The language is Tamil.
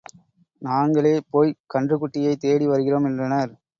நாங்களே போய்க் கன்றுக்குட்டியைத் தேடி வருகிறோம் என்றனர்.